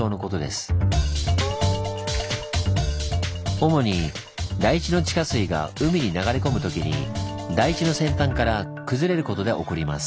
主に台地の地下水が海に流れ込む時に台地の先端から崩れることで起こります。